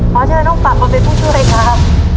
เพราะฉะนั้นต้องฝากมาเป็นผู้ช่วยครับ